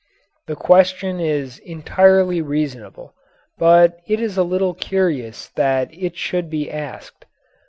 The question is entirely reasonable, but it is a little curious that it should be asked.